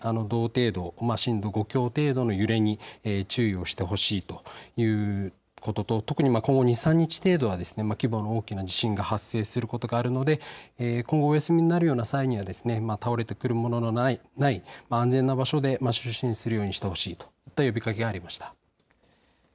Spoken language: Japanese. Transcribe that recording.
同程度、震度５強程度の揺れに注意をしてほしいということと特に今後２、３日程度は規模の大きな地震が発生することがあるので今後お休みになるような際には倒れてくるもののない安全な場所で就寝するようにしてほしいといった呼びかけがありました。